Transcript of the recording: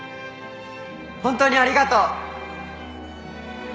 「本当にありがとう！」